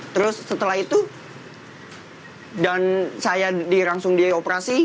terus setelah itu dan saya langsung di operasi